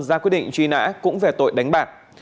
ra quyết định truy nã cũng về tội đánh bạc